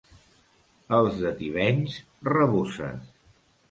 Els de Tivenys, raboses.